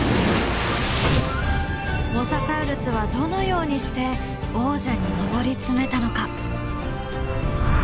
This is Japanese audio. モササウルスはどのようにして王者に上り詰めたのか。